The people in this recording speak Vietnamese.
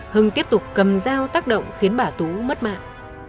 hưng tiếp tục cầm dao tác động khiến bà tú mất mạng